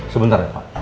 sebentar ya pak